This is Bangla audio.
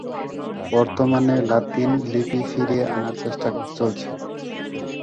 বর্তমানে লাতিন লিপি ফিরিয়ে আনার চেষ্টা চলছে।